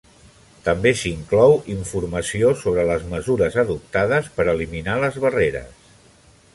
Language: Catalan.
També s'inclou informació sobre les mesures adoptades per eliminar les barreres.